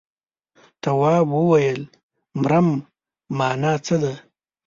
تواب وويل: مرم مانا څه ده.